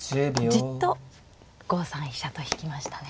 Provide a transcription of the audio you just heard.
じっと５三飛車と引きましたね。